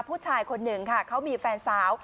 ผู้ชายคนหนึ่งค่ะเขามีแฟนสาว